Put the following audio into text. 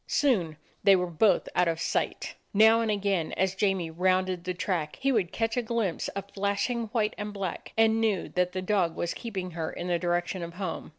Soon they were both out of sight. Now and again, as Jamie rounded the track, he would catch a glimpse of flashing white and black, and knew that the dog was keeping her in the direction of home.